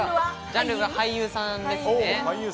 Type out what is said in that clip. ジャンルは俳優さんですね。